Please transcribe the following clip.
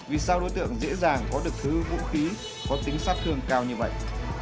vì sao đối tượng dễ dàng có được thứ vũ khí có tính sát thương cao như vậy